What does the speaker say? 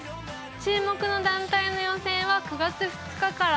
注目の団体の予選は９月２日から。